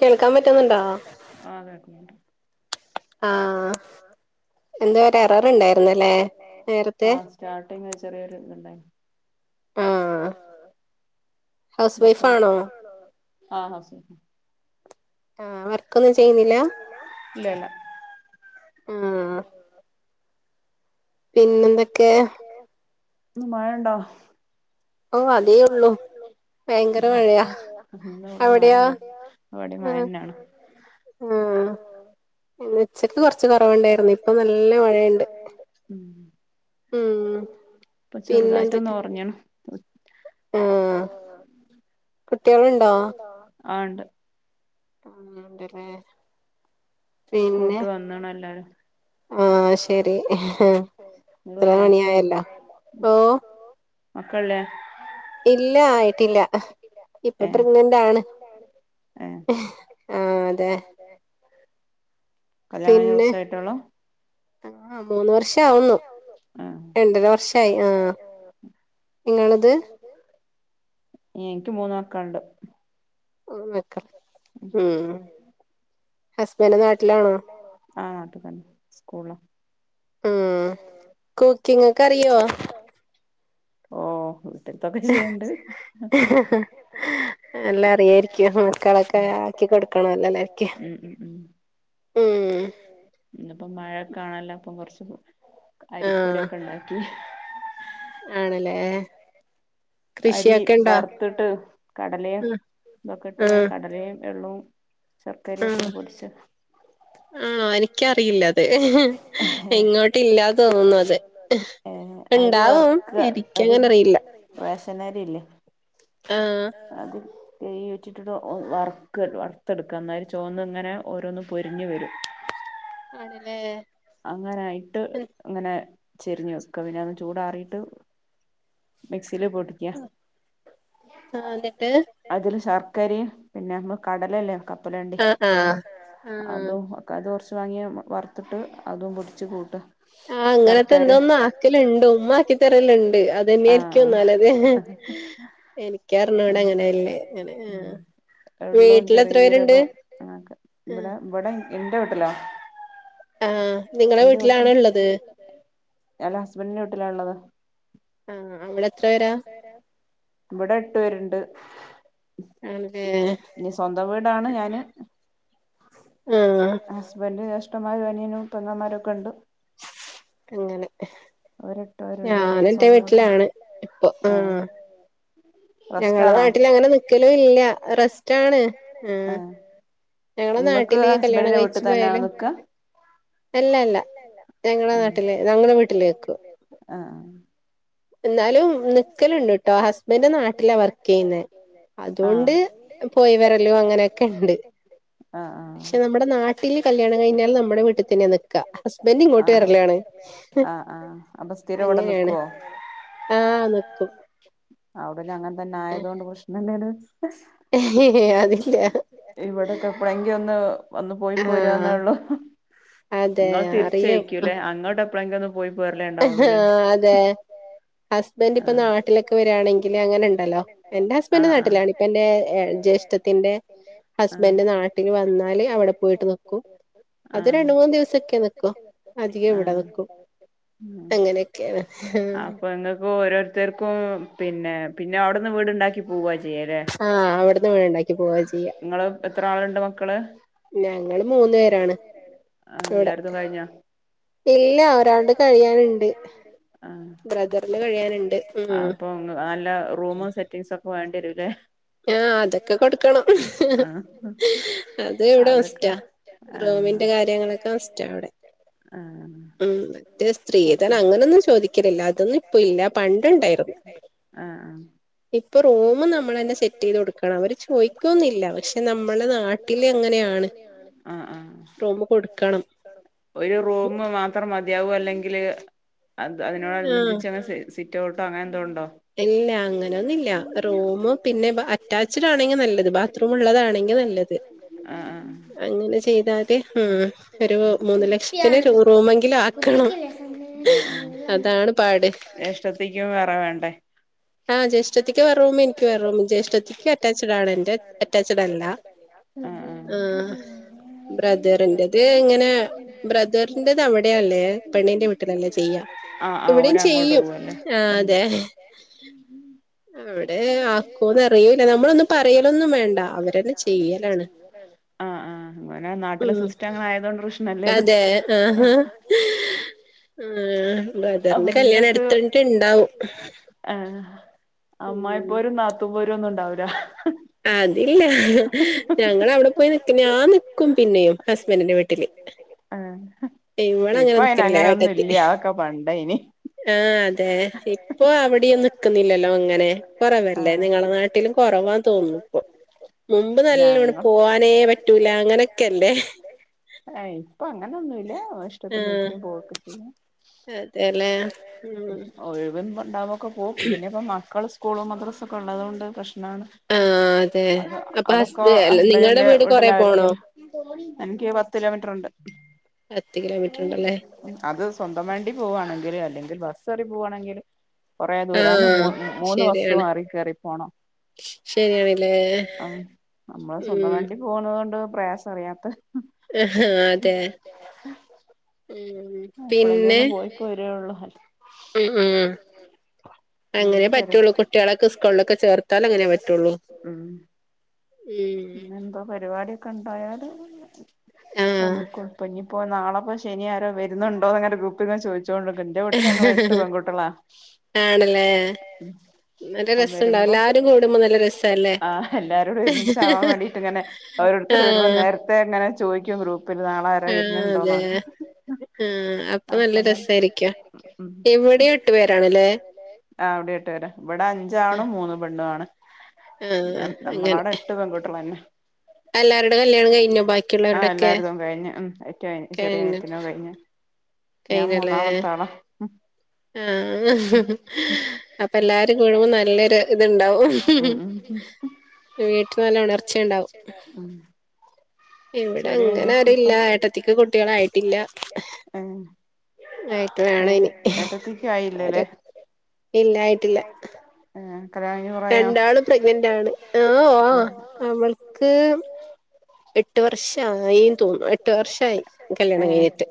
കേൾക്കാൻ പറ്റുന്നുണ്ടോ [unintelligible] ആഹ എന്താ ഒരു ഇററുണ്ടായിരുന്നല്ലേ നേരത്തെ സ്റ്റാർട്ടിങ് ചെറിയൊരു ഇതുണ്ടായി [unintelligible] ഹസ് ആ വർക്കൊന്നും ചെയ്യുന്നില്ല [inaudible] ഇല്ല ഇല്ല പിന്നെന്തൊക്കെ [inaudible] ഇന്ന് മഴ ഉണ്ടോ ഓ അതേ ഉള്ളൂ ഭയങ്കര മഴയാ [unintelligible] അവിടെയോ ഇവിടെ മഴ തന്നെയാണ് ഉം ഉച്ചക്ക് കൊറച്ച് കുറവുണ്ടായിരുന്നു ഇപ്പൊ നല്ല മഴയുണ്ട് ഉം ഉം പിന്നെ എന്തൊക്കെ [unintelligible] ആഹ കുട്ട്യാള്ണ്ടോ ആണ്ട് [inaudible] ല്ലേ സ്കൂളട്ട് വന്നാണ് എല്ലാരും ആ ശരി [unintelligible] മക്കള്ല്ലേ ഇല്ല ആയിട്ടില്ല ഇപ്പൊ പ്രഗ്നന്റ് ആണ് ആഹ് അതെ അതെ പിന്നെ ആ മൂന്ന് വർഷം. ഷാവുന്നു ആ രണ്ടര വർഷമയി ആ ഏ എനിക്ക് മൂന്ന് മക്കള്ണ്ട് ക്ക ഉം ഹസ്ബൻറ് നാട്ടിലാണോ ആ അത് തന്നെ സ്കൂളില, ഉം കുക്കിംങ്ങ് ഒക്കെ അറിയോ ഓ [unintelligible] [inaudible] എല്ലാം അറിയായിരിക്കും മക്കളൊക്കെ ആക്കി കൊടുക്കണല്ലേ എല്ലർക്കും. ഉം ഇപ്പ മഴക്കെ കാണല്ല അപ്പ കൊറച്ച് അരിപ്പൊടിയൊക്കെ ഉണ്ടാക്കി. ആണ്ല്ലേ അരി വറുത്തിട്ട് കടലയെ. ഇതൊക്കെ ഇട്ട് കടലയും എള്ളും ശർക്കരയും ഒക്കെകൂടി പൊടിച്ച് ആഹ് എനിക്കറിയില്ല അത് എങ്ങോട്ട്ഇല്ലാതെ തോന്നുന്നു അത് ഉണ്ടാവും എനിക്ക് അങ്ങനെ അറിയില്ല. റേഷനരി ഇല്ലേ അത്. തെയ വെച്ചിട്ടിട്ട് ഒ വറക്ക വറുത്തെടുക, എന്നാല് ചോന്ന് ങ്ങനെ ഓരോന്നും പൊരിഞ്ഞ് വരും അണ്ല്ലേ അങ്ങനായിട്ട് അങ്ങനെ ചെരിഞ്ഞ് വെക്ക പിന്നെ അത് ചൂടാറിട്ട് മിക്സില് പൊടി ആഹ് എന്നിട്ട് അതില് ശർക്കരിം പിന്നെ മ്മ് കടലല്ലേ കപ്പലണ്ടി അതും. അത് കുറച്ച് വാങ്ങിയ വറുത്തിട്ട് അതും പൊടിച്ച് കൂട്ടാ. ആഹ് അങ്ങനത്തെ എന്തോന്ന് ആക്കലുണ്ട് ഉമ്മാക്കി തരലുണ്ട്. അത് തന്നെയയിരിക്കും നല്ലത് എനക്ക്റിഞ്ഞുട അങ്ങനല്ലേ അങ്ങനെ. എള്ളും ചെറിയ ജീരകം ആക ഇവിടെ ഇവിടെ എന്റെ വീട്ടിലാ. ആഹ് നി എന്റെ വീട്ടിൽ നിങ്ങളെ വീട്ടിൽ ആരള്ളത്, അല്ല ഹസ്ബൻറ്റിന്റെ വീട്ടിലാ ഉള്ളത്. ആഹ് അവിടെ എത്ര പേരാ പേര ഇവിടെ എട്ടു പേരുണ്ട് ആണ് ല്ലേ ഇനി സ്വന്തം വീടാണ് ഞാന് ഹസ്ബൻഞാൻന്റ് ജേഷ് ട്ടമാരും അനിയനും പങ്ങന്മാരൊക്കെ ണ്ട്. അങ്ങനെ ഞാൻ എന്റെ വീട്ടിലാണ് ഇപ്പൊ ആഹ്. ഞങ്ങളെ നാട്ടിൽ അങ്ങനെ നിക്കല് ഇല്ല റെസ്റ്റ് ആണ് ആഹ് ഞങ്ങളെ നാട്ടില് കല്യാണം കഴിച്ച് പോയാലും അല്ല ല്ല ഞങ്ങളേ നാട്ടിലെ ഞങ്ങളേ വീട്ടിലേക്ക് ആഹ് എന്നാലും നിക്കലുണ്ട് ട്ടോ ഹസ്ബൻഡ് നാട്ടിലാ വർക്കെയുന്നേ അതോണ്ട് പോയി വരലും അങ്ങനെക്കെ ണ്ട് പക്ഷെ നമ്മടെ നാട്ടില് കല്യാണം കഴിഞ്ഞാല് നമ്മടെ വീട്ടിൽ തന്നെ നിക്കാ ഹസ്ബൻഡ് ഇങ്ങോട്ട് വരല്ലാണ് അങ്ങനെയാണ് ആഹ് നിക്കും അവ്ട പിന്നെ അങ്ങന് തന്നെ ആയതോണ്ട് പ്രശ്നല്ലല്ലോ ഹി ഹി അതില്ല ഇവിടെക്കെ എപ്പളങ്കി ഒന്ന് വന്ന് പോയി പോരാന്നേ ള്ളൂ ങ്ങൾ തിരിച്ചയ്ക്കൂല്ലേ അങ്ങോട്ട് എപ്പളങ്കിലോന് പോയി പോരലേ ഹ് ആഹ് അതെ ഹസ്ബൻഡ് ഇപ്പൊ നാട്ടിലൊക്കെ വരിയാണങ്കില് അങ്ങനെ ണ്ടല്ലോ എന്റെ ഹസ്ബന്റ് നാട്ടിലാണ് എന്റെ ജ്യേഷ്ഠത്തിന്റെ ഹസ്ബൻഡ് നാട്ടില് വന്നാല് അവിടെ പോയിട്ട് നിക്കും അത് രണ്ട് മൂന്ന് ദിവസൊക്കെ നിക്കു അധികം വടെ നിക്കും അപ്പൊ ങ്ങക്ക് ഓരോരുത്തർക്കും പിന്നെ പിന്നെ അവിടന്ന് വീടുണ്ടാക്കി പോവചെയ്യലെ ആഹ് അവിടുന്ന് വീട് ണ്ടാക്കി പോവാ ചെയ്യാ ങ്ങള് എത്ര ആള് ണ്ട് മക്കള് ഞങ്ങള് മൂന്ന് പേരാണ് ആഹ് എല്ലാര്തും കഴിഞ്ഞോ ഇല്ല രണ്ട് കഴിയാന്ണ്ട് ബ്രദറ് ന്റെ കഴിയാന്ണ്ട് മ്ഹ് ഉം പിൻ സഫ് വണ്ടിരുലേ ആഹ് അതൊക്കെ കൊടുക്കണം അതിവടെ മസ്റ്റാ റൂമിന്റെ കാര്യങ്ങളൊക്കെ മസ്റ്റാ വടെ ആഹ് ഉം മറ്റേ സ്ത്രീധനം അങ്ങനൊന്നും ചോദിക്കലില്ല അതൊന്നും ഇപ്പ ഇല്ല പണ്ട് ണ്ടായിരുന്നു ആഹ് ഇപ്പൊ റൂമ് നമ്മളന്നേ സെറ്റ് ചെയ്ത് കൊടുക്കണം അവര് ചോയി കോന്നില്ല പക്ഷെ നമ്മളെ നാട്ടില് ങ്ങനെയാണ് റൂമ് കൊട്ക്കണം ഒരു റൂം മാത്രം മതിയാവോ ല്ലെങ്കില് അത് അതിനോടനുബന്ധിച്ച് അ സിറ്റോഓട്ടോ അങ്ങനെ എന്തോണ്ടോ ഇല്ല അങ്ങനെയൊന്നുംല്ല റൂമ് പിന്നെ അറ്റാച്ചഡ് ആണെങ്കിൽ നല്ലത് ബാത്റൂമ് ഉള്ളതാണെങ്കിൽ നല്ലത് അങ്ങന ചെയ്താല് മം ഒരു മൂന്ന് ലക്ഷത്തിന് റൂമെങ്കില് ആ പൊട്ടിക്കല്ലേ സമ്മ് സാമ്മ് അ ആ.. അതാണ് പാട് ജേഷ്ടത്തിക്കും വേറെ വേണ്ടേ ആഹ് ജേഷ്ഠത്തിക്ക് വേറെ റൂം എനിക്ക് വേറെ റും ജേഷ്ഠത്തിക്ക് അറ്റാച്ചഡ ആണ് എന്റെ അറ്റാച്ചഡ് അല്ല ആഹ് ബ്രദറിന്റെ ത് ങ്ങനെ ബ്രദറിന്റെത് അവിടെല്ലേ പെണ്ണിന്റെ വീട്ടിലല്ലേ ചെയ്യാ ഇവിടെയും ചെയ്യും ആഹ് അതെ മം മം അവിടെ ആക്കൊന്ന് അറില്ല നമ്മളൊന്നും പറയോന്നും വേണ്ട അവരന്നെ ചെയ്യലാണ്.. ഉം അതെ ആഹ... ആ ബ്രദറിന്റെ കല്യാണം അടുത്തായിട്ട് ണ്ടാവും.. ആഹ് അമ്മായി പോരും നാതും പോരോന്നും ണ്ടാവൂല... അതില്ല ഞങ്ങൾ അവിടെ പോയി നിക്ക് ഞാ നിക്കും പിന്നെയും ഹസ്ബന്റിന്റെ വീട്ടില്.. ആ ഇപ്പ അയിന് അങ്ങനെന്നുല്ല അതൊക്കെ പണ്ടെയ്നി ആ അതെ ഇപ്പൊ അവിടെന്ന്.. നിക്കുന്നില്ലല്ലോ അങ്ങനെ കൊറവല്ലേ നിങ്ങളെ നാട്ടിലും കുറവാന്ന് തോന്നുന്നു ഇപ്പൊ.. മുമ്പ് നല്ലോണം പോവാനേ പറ്റൂല അങ്ങനെക്കല്ലേ.. ആ ഇപ്പൊ അങ്ങനെന്നുല്ല നമ്മളെ ഇഷ്ടത്തിന് നിക്കെ പോ വൊക്കെ ചെയ്യാം... എങ്ങനെ ഒഴിവ് വ ഉണ്ടാവുമ്പൊക്കെ പോകും പിന്നെ ഇപ്പോ മക്കള് സ്കൂളും മദ്രസ ഒക്കെ ഉള്ളതോണ്ട് പ്രശ്നാണ്. അത് അതൊക്കെ ഹസ്ബൻഡിന്റെ വീട്ടില് ആയിരിക്കോല്ലോ എനിക്കെയ് പത്ത് കിലോമീറ്റർ ഉണ്ട് അത് സ്വന്തം വണ്ടി പോവാണെങ്കില് അല്ലെങ്കിൽ ബസ്സ് കേറി പോവാണെങ്കിൽ കൊറേ ദൂരാണ് മോൻ മൂന്ന് ബസ്സ്‌ മാറി കേറി പോണം ശരിയാണ്‌ല്ലേ ഉം പോണതോണ്ട് പ്രയാസം അറിയാത്തത് ആഹ് അതെ ഉം എപ്പളെങ്കിലൊന്ന് പോയി പ്പോരോള്ളു അ ഉം ഉം അങ്ങനെ പറ്റുള്ളൂ കുട്ടിളൊക്കെ സ്കൂളിലൊക്കെ ചേർത്താൽ അങ്ങനെ പറ്റുള്ളൂ ഊം ഊം പിന്നെന്താ പരിപാടിക്കെണ്ടായാലും അന്ന് കൊഴപ്പഞ്ഞ് ഇപ്പോ നാളെപ്പോ ശനി ആരോ വരുന്നുണ്ടോന് ങ്ങനെ ഗ്രൂപ്പിൽ ങ്ങനെ ചോയ്ച്ചോണ്ട് നിക്കാണ് ന്റെ വിട്ടിൽ ഞങൾ എട്ട് പെൺകുട്ടികളാ ആണല്ലേ ഏഹ് നല്ല രസംണ്ടാവും എല്ലാരും കൂടുമ്പോ നല്ല രസല്ലേ ആഹ് ഇപ്പങ്ങനെ ചോദിക്കും ഗ്രൂപ്പില് നാളെ ആര വരുന്നുണ്ടോന്ന്‌ ആഹ് അപ്പൊ നല്ല രസായിരിക്കും ഇവിടെയും എട്ടു പേരാണല്ലേ ആ ഇവിടെ എട്ട് പേരാ ഇവിടെ അഞ്ചാണും മൂന്ന് പെണ്ണും ആണ് നമ് നമ്മളടെ എട്ട് പെൺകുട്ടികളന്നെ എല്ലാരുടെ കല്യാണം കഴിഞ്ഞോ ആഹ് എല്ലാരതും കഴിഞ്ഞ് ഉം ഏഹ് [unintelligible] ചെറിയനത്തിന്റെതും കഴിഞ് ഞാൻ മൂന്നാമത്തെ ആളാ ആഹ് അപ്പെല്ലാരും കൂടുമ്പോ നല്ലൊരു ഇത്ണ്ടാവും. വീട്ടിൽ നല്ല ഒണർച്ചയുണ്ടാവും.. ഇവിടങ്ങനെ ആരൂല്ല ഏട്ടത്തിക്ക് കുട്ടികളായിട്ടില്ല ആയിട്ട് വേണം ഇനി ഏട്ടത്തിക്ക് ആയില്ലല്ലേ ഇല്ല ആയിട്ടില്ല ഏഹ് കല്ലിയാണം രണ്ടാളും പ്രഗ്നന്റ് ആണ് ആ ഓഹ് അവൾക്ക് എട്ട് വർഷം. ആയിന്ന് തോന്നു എട്ട് വർഷയി കല്യാണം കഴിഞ്ഞിട്ട്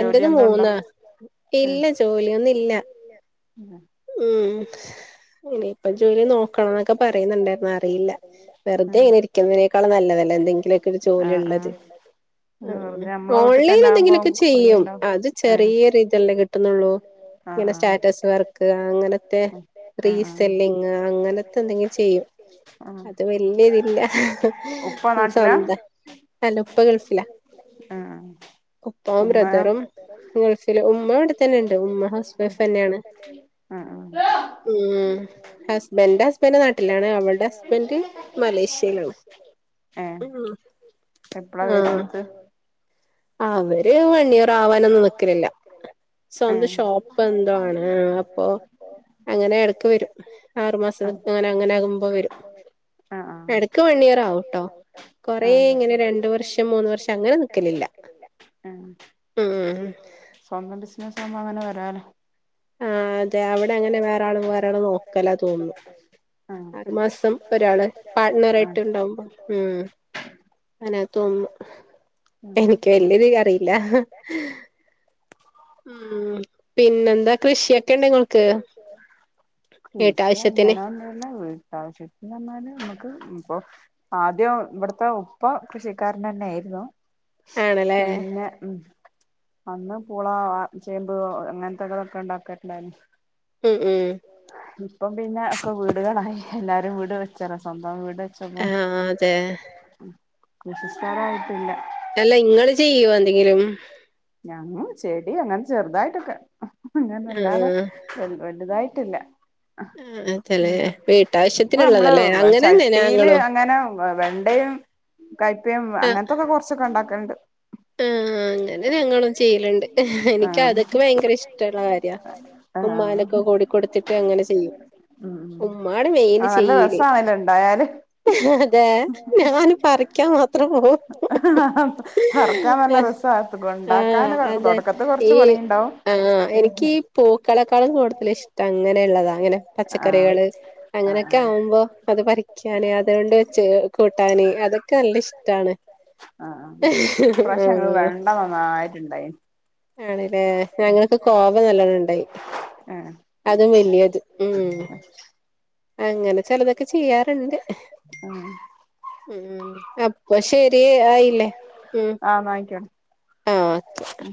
എന്റത് മൂന്നാ ഇല്ല ജോലിയൊന്നും ഇല്ല. ഉം ഇനിപ്പം ജോലി നോക്കണം ന്നൊക്കെ പറയുന്നുണ്ടായിരുന്നു അറിയില്ല.. വെറുതെ ഇങ്ങനെ ഇരിക്കുന്നതിനേക്കാളും നല്ലതല്ലേ എന്തെങ്കിലൊക്കെ ഒരു ജോലി ഉള്ളത്. ആ ആ ഓൺലൈൻ എന്തെങ്കിലൊക്കെ ചെയ്യും അത് ചെറിയ ഒര് ഇതല്ലേ കിട്ടുന്നൊള്ളു.. ഇങ്ങനത്തെ സ്റ്റാറ്റസ് വർക്ക്‌ അങ്ങനത്തെ റീസെല്ലിംഗ് ങ്ങാ അങ്ങനത്തെ എന്തെങ്കിലും ചെയ്യും അത് വല്യ ഇതില്ല സ്വന്ത [inaudible] ആഹ് കുപ്പാം ബ്രദറും ഗൾഫില് ഉമ്മ ഇവിടെ തന്നെണ്ട് ഉമ്മ ഹൗസ് വൈഫ് തന്നെയാണ് ആ ആഹ് ഊം ഹസ് ല്ല എന്റെ ഹസ്ബൻഡ് നാട്ടിലാണ് അവളുടെ ഹസ്ബൻഡ് മലേഷ്യയിലാണ് ഏ എപ്പളാ വരരുത് അവര് വണിയോറ ആവാനൊന്നും നിക്കലില്ല സ്വന്തം ഷോപ്പ് എന്താണ് അപ്പൊ അങ്ങനെ എടക്ക് വരും ആറു മാസ നിക്കാനാ അങ്ങനെ ആകുമ്പോ വരും എടക്ക് വണിയറ ആവുട്ടോ കൊറെേ ഇങ്ങനെ രണ്ട വർഷം മൂന്ന് വർഷം അങ്ങനെ നിക്കലില്ല എമ് സ്വന്തം ബിസ്നസാവുമ്പോ അങ്ങന വരാലോ ആ അതെ അവ്ടങ്ങനെ വേറാള് വേറാള് നോക്കലാ തോന്ന്ണ് ആറ്മാസം ഒരാള് പാർട്നറായിട്ട്ണ്ടാവുമ്പോ ഉം അങ്ങനാ തോന്ന്ണു എനിക്ക് വല്ല്യരിതിലറിയില്ല ഉം പിന്നെന്താ കൃഷിയൊക്കെണ്ടങ്ങക്ക്? കൃഷി അങ്ങനൊന്നുല്ല വീട്ടാവശ്യത്തിന് എന്നാല് നമുക്ക് ഇപ്പൊ ആദ്യം ഇവിടത്തെ ഉപ്പ കൃഷി കാരനെന്നെ ആയിരുന്നു പിന്നെ ഉം അന്ന് പുള ചേമ്പ് അങ്ങനത്തെകളൊക്കെ ഉണ്ടാക്കിട്ടുണ്ടായിരുന്നു ഉം ഉം ഇപ്പം പിന്നെ ഒക്കെ വീടുകളായി. എല്ലാരും വീട് വെച്ചറ സ്വന്തം വീട് ആഹ് അതെ കൃഷി സ്ഥലായിട്ടില്ല അല്ല ഇങ്ങള് ചെയ്യോ എന്തെങ്കിലും ഞങ്ങള് ചെടി അങ്ങനെ ചെറുതായിട്ടൊക്കെ അങ്ങനല്ലാതെ വലുതായിട്ടില്ല ഇപ്പൊ നമ്മള് ചട്ടിയില് അങ്ങനെ വെണ്ടയും കയ്പയും അങ്ങന് ത്തൊക്കെ കുറച്ചൊക്കെ ഉണ്ടാക്കണ്ട് ആഹ് അങ്ങനെ ഞങ്ങളും ചെയ്യലുണ്ട് എനിക്ക് അതൊക്കെ ഭയങ്കര ഇഷ്ട്ടള്ള കാര്യാ ഉമ്മാനെക്കെ കൂടിക്കൊടുത്തിട്ട് അങ്ങനെ ചെയ്യും ഉമ്മാണ് മെയിന് ചെയ്യല് അതെ ഞാനും പറിക്കാൻ മാത്രം പോവും പറിക്കാൻ നല്ല രസാ അത് ആ് ഉണ്ടാക്കാൻ അതെ ഈ ആ എനിക്കി ഈ പൂക്കളക്കാളും കൂടുതല ഇഷ്ട അങ്ങനെയുള്ളതാ അങ്ങനെ പച്ചക്കറികള് അങ്ങനെയൊക്കെ ആവുമ്പോ അത് പറിക്കാന് അതുകൊണ്ട് വെച്ച് കൂട്ടാന് അതൊക്കെ നല്ല ഇഷ്ടാണ് ആഹ് പ്രാശ്യം നങ്ങക്ക് വേണ്ട നന്നായിട്ടുണ്ടായി ആണല്ലേ ഞങ്ങക്ക് കോവ നല്ലോണം ഉണ്ടായി ഏഹ് അതും വല്യേത് ഉം അങ്ങനെ ചിലതൊക്കെ ചെയ്യാറുണ്ട് ഉം അപ്പൊ ശെരി ആയില്ലേ ആ വാങ്ങിക്കോം ആഹ് ഉം